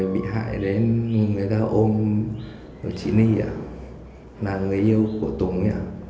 chị nhi là người yêu của tùng